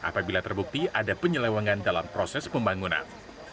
apabila terbukti ada penyelewangan dalam proses pembangunan